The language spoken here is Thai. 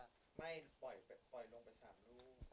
ทำให้แยกดูลูกก่อนมีกี่ลูกอ่ะไม่ปล่อยลงไปสามลูก